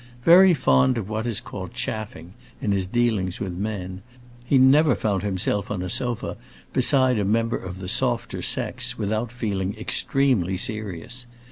Very fond of what is called chaffing, in his dealings with men, he never found himself on a sofa beside a member of the softer sex without feeling extremely serious.